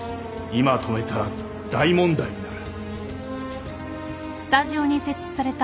今止めたら大問題になる。